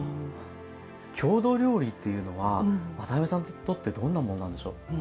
郷土料理っていうのは渡辺さんにとってどんなものなんでしょう？